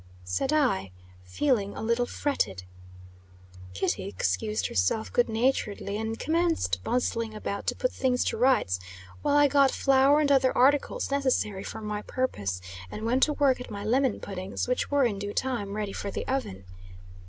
said I, feeling a little fretted. Kitty excused herself good naturedly, and commenced bustling about to put things to rights, while I got flour and other articles necessary for my purpose, and went to work at my lemon puddings, which were, in due time, ready for the oven.